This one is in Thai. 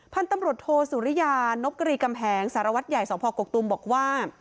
พันธุ์ตำรวจโทสุริยานบกรีกำแหงสารวัตรใหญ่สพกกตูมบอกว่า